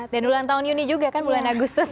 dan ulang tahun yuni juga kan mulai agustus